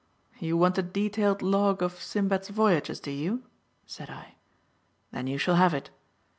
"You want a detailed log of Sinbad's voyages, do you?" said I. "Then you shall have it.